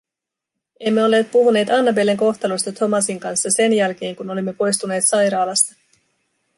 Emme olleet puhuneet Annabellen kohtalosta Thomasin kanssa sen jälkeen, kun olimme poistuneet sairaalasta.